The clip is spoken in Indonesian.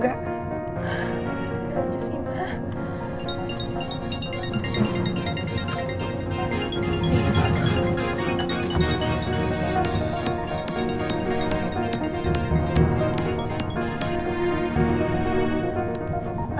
gak aja sih ma